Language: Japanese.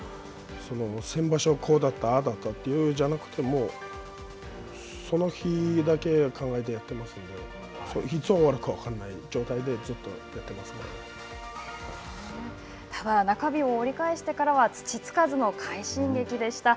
先場所こうだったああだったというのじゃなくてその日だけ考えてやってますんでいつ終わるか分からない状態で中日を折り返してからは土つかずの快進撃でした。